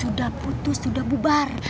sudah putus sudah bubar